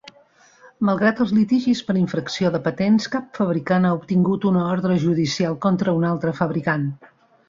Malgrat els litigis per infracció de patents, cap fabricant ha obtingut una ordre judicial contra un altre fabricant.